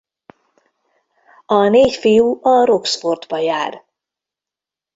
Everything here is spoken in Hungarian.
A négy fiú a Roxfortba jár.